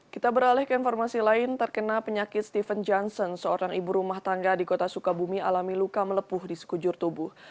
kita beralih ke informasi lain terkena penyakit stephen johnson seorang ibu rumah tangga di kota sukabumi alami luka melepuh di sekujur tubuh